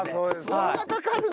そんなかかるの！？